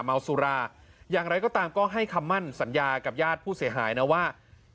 เมาสุราอย่างไรก็ตามก็ให้คำมั่นสัญญากับญาติผู้เสียหายนะว่า